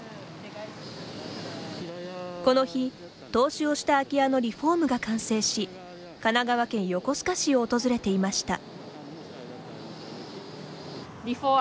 この日、投資をした空き家のリフォームが完成し神奈川県横須賀市を訪れていました。